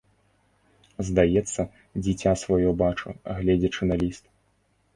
Здаецца, дзіця сваё бачу, гледзячы на ліст.